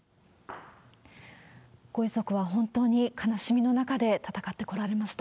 ご遺族は本当に悲しみの中で戦ってこられました。